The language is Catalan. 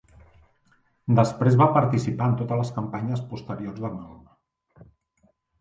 Després va participar en totes les campanyes posteriors de Mahoma.